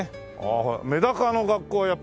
ほらメダカの学校はやっぱりね